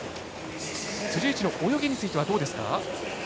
辻内の泳ぎについてはどうですか？